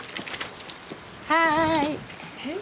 はい。